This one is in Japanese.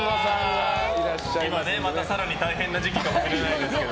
今、更に大変な時期かもしれないですけど。